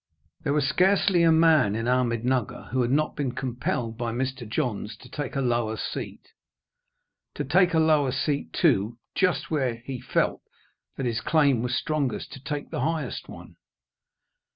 There was scarcely a man in Ahmednugger who had not been compelled by Mr. Johns to take a lower seat; to take a lower seat, too, just where he felt that his claim was strongest to take the highest one.